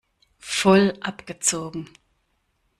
Voll abgezogen!